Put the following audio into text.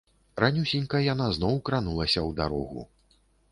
Ранюсенька яна зноў кранулася ў дарогу.